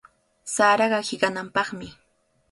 Saraqa hiqanaqmi.